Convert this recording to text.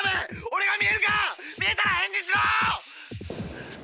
オレが見えるか⁉見えたら返事しろ！